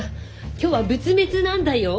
今日は仏滅なんだよ！